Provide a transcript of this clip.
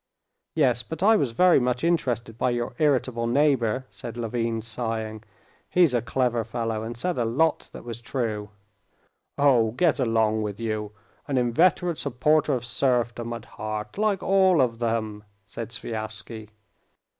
"Yes, but I was very much interested by your irritable neighbor," said Levin, sighing. "He's a clever fellow, and said a lot that was true." "Oh, get along with you! An inveterate supporter of serfdom at heart, like all of them!" said Sviazhsky.